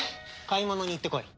買い物に行ってこい。